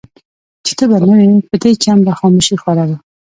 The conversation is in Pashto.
چي ته به نه وې په دې چم به خاموشي خوره وه